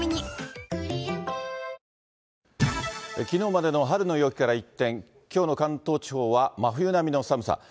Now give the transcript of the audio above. きのうまでの春の陽気から一転、きょうの関東地方は、真冬並みの寒さ。